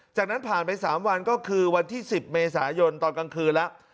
จากนั้นผ่านไป๓วันก็คือวันที่๑๐เมษายนตอนกลางคืนแล้ว